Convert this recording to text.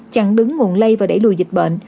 chẳng đứng nguồn lây và đẩy lùi dịch bệnh